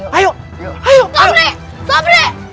satu aja yang tangkap